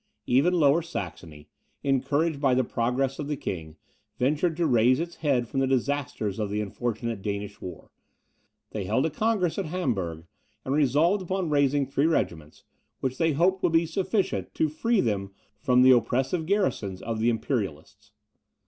Even Lower Saxony, encouraged by the progress of the king, ventured to raise its head from the disasters of the unfortunate Danish war. They held a congress at Hamburg, and resolved upon raising three regiments, which they hoped would be sufficient to free them from the oppressive garrisons of the Imperialists.